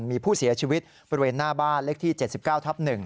มีผู้เสียชีวิตบริเวณหน้าบ้านเลขที่๗๙ทับ๑